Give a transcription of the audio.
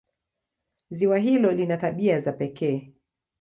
Ziwa hilo lina tabia za pekee.